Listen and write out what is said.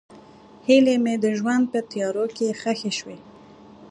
هیلې مې د ژوند په تیارو کې ښخې شوې.